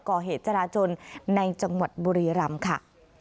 ก่อเหตุจราจนในจังหวัดบุรีรำค่ะ